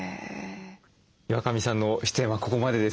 岩上さんの出演はここまでです。